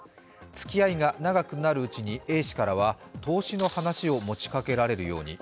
つきあいが長くなるうちにＡ氏からは投資の話を持ちかけられるように。